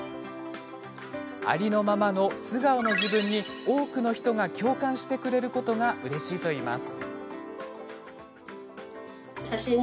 ありのままの素顔の自分に多くの人が共感してくれることがうれしいといいます。